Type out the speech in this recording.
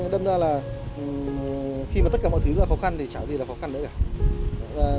đâm ra là khi mà tất cả mọi thứ dưới nước là khó khăn thì chả có gì là khó khăn nữa cả